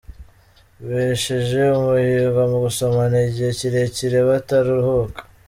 Besheje umuhigo mu gusomana igihe kirekire bataruhuka